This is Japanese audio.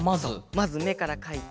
まずめからかいて。